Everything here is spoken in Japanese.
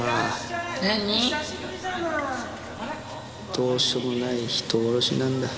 どうしようもない人殺しなんだ。